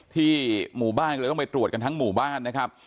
ที่หมู่บ้านก็เลยต้องไปตรวจกันทั้งหมู่บ้านนะครับ